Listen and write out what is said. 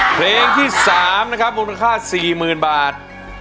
เพลงที่๓นะครับมูลค่า๔๐๐๐บาท